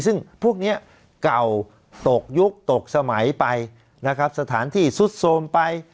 ซึ่งพวกนี้เก่าตกยุคตกสมัยไปนะครับสถานที่ซุดโทรมไป